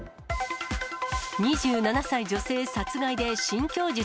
２７歳女性殺害で新供述。